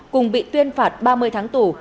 cùng bị tuyên phạt ba mươi tháng tù